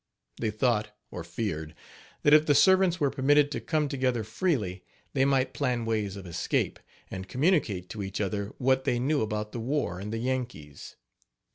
They thought, or feared, that if the servants were permitted to come together freely they might plan ways of escape, and communicate to each other what they knew about the war and the Yankees.